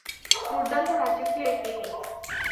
দুর্দান্ত রাজকীয় এক ইনিংস।